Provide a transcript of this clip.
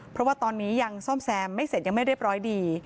เพราะว่าตอนนี้ยังซ่อมแซมไม่เสร็จยังไม่เรียบร้อยดี